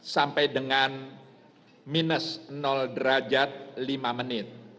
sampai dengan minus derajat lima menit